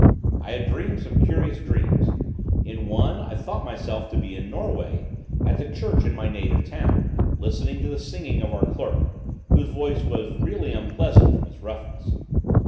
I had dreamed some curious dreams; in one, I thought myself to be in Norway, at the church in my native town, listening to the singing of our clerk, whose voice was really unpleasant from its roughness.